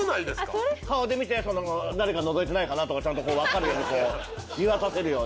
顔で見て誰か覗いてないかなとかちゃんと分かるように見渡せるように。